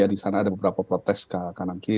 di sana ada beberapa protes ke kanan kiri